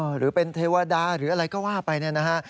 หรือเป็นเทวดาหรืออะไรก็ว่าไปเนี่ยนะฮะ